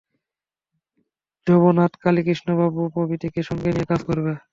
ভবনাথ, কালীকৃষ্ণবাবু প্রভৃতিকে সঙ্গে নিয়ে কাজ করবে।